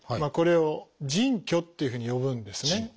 これを「腎虚」っていうふうに呼ぶんですね。